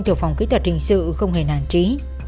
thuộc phòng kỹ thuật hình sự không hề nản trí